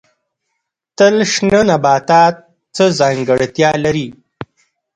تل شنه نباتات څه ځانګړتیا لري؟